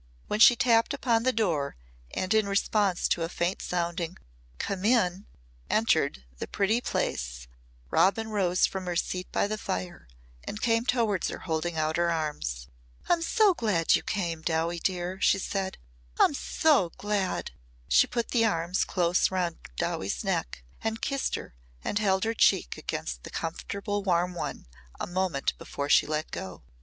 When she tapped upon the door and in response to a faint sounding "Come in" entered the pretty place, Robin rose from her seat by the fire and came towards her holding out her arms. "I'm so glad you came, Dowie dear," she said, "I'm so glad." She put the arms close round Dowie's neck and kissed her and held her cheek against the comfortable warm one a moment before she let go.